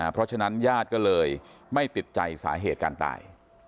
เพราะฉะนั้นญาติก็เลยไม่ติดใจสาเหตุการตาย